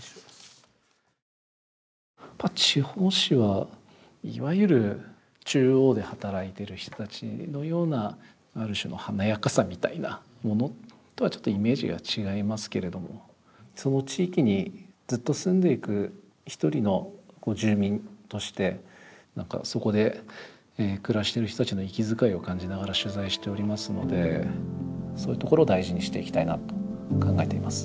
まあ地方紙はいわゆる中央で働いてる人たちのようなある種の華やかさみたいなものとはちょっとイメージが違いますけれどもその地域にずっと住んでいく一人の住民として何かそこで暮らしてる人たちの息遣いを感じながら取材しておりますのでそういうところを大事にしていきたいなと考えています。